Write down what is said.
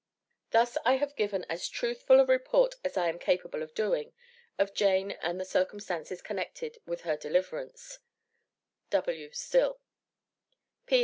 Thus I have given as truthful a report as I am capable of doing, of Jane and the circumstances connected with her deliverance. W.